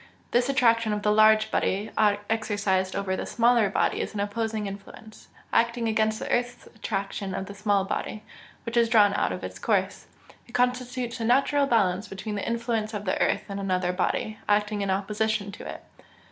This attraction of the large body exercised over the smaller body is an opposing influence, acting against the earth's attraction of the small body, which is drawn out of its course: it constitutes a natural balance between the influence of the earth and another body, acting in opposition to it.